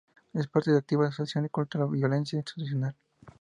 Es parte activa de la Asociación Contra la Violencia Institucional.